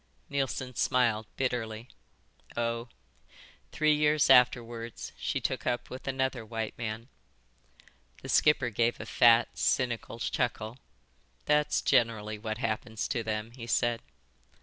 Neilson smiled bitterly. "Oh, three years afterwards she took up with another white man." The skipper gave a fat, cynical chuckle. "That's generally what happens to them," he said.